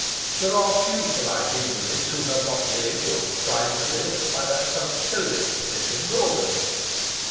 There are few polite invalids who have not lived, or tried to live, by that punctilious physician's orders.